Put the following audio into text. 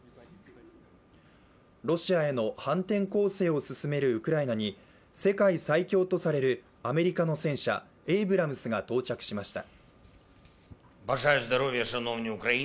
ロシアへの反転攻勢を進めるウクライナに世界最強とされるアメリカの戦車エイブラムスが到着しました。